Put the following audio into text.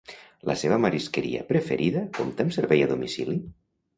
La meva marisqueria preferida compta amb servei a domicili?